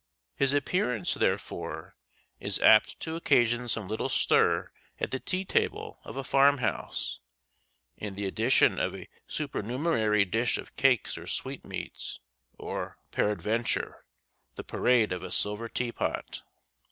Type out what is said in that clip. His appearance, therefore, is apt to occasion some little stir at the tea table of a farmhouse and the addition of a supernumerary dish of cakes or sweetmeats, or, peradventure, the parade of a silver tea pot.